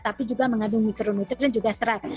tapi juga mengandung mikronutrik dan juga serat